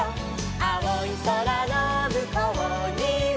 「あおいそらのむこうには」